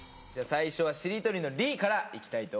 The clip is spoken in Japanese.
最初はしりとりの「り」からいきたいと思います。